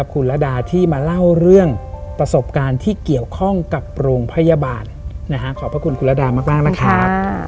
คุณระดาที่มาเล่าเรื่องประสบการณ์ที่เกี่ยวข้องกับโรงพยาบาลขอบพระคุณคุณระดามากนะครับ